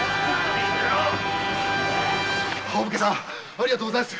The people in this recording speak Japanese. ありがとうございます。